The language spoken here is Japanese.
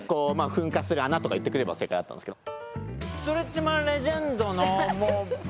噴火する穴とか言ってくれれば正解だったんですけど。